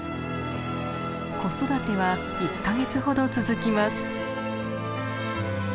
子育ては１か月ほど続きます。